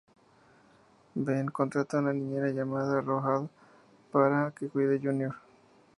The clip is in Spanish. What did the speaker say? Ben contrata a una niñera llamada Rhoda para que cuide a Junior.